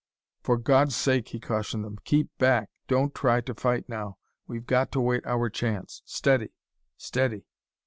"For God's sake," he cautioned them, "keep back. Don't try to fight now; we've got to wait our chance! Steady. Steady...."